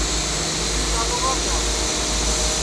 توں بی چالوں گا کیا